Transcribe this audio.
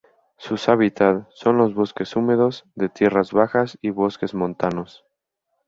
Sus hábitat son los bosques húmedos de tierras bajas y bosques montanos.